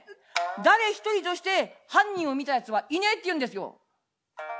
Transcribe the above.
誰一人として犯人を見たやつはいねえっていうんですよ」。